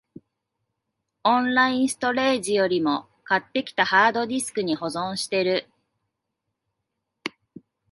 オンラインストレージよりも、買ってきたハードディスクに保存してる